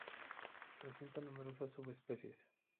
Presenta numerosas subespecies.